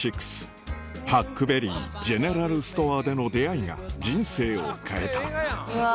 ハックベリージェネラルストアでの出会いが人生を変えたうわ